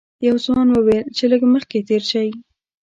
یوه ځوان وویل چې لږ مخکې تېر شئ.